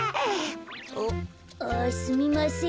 う？あすみません。